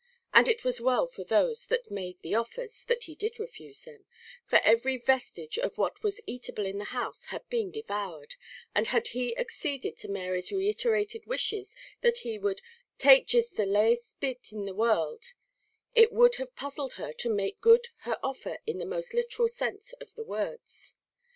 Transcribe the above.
And it was well for those that made the offers that he did refuse them; for every vestige of what was eatable in the house had been devoured, and had he acceded to Mary's reiterated wishes that he would "take jist the laste bit in the world," it would have puzzled her to make good her offer in the most literal sense of the words.